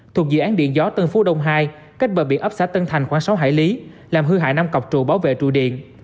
thuộc dự án điện gió tân phú đông hai cách bờ biển ấp xã tân thành khoảng sáu hải lý làm hư hại năm cọc trụ bảo vệ trụ điện